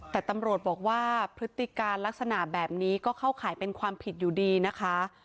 แต่ตำรวจบอกว่าพฤติการลักษณะแบบนี้ก็เข้าข่ายเป็นความผิดอยู่ดีนะคะ